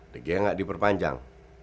dia gak diperpanjang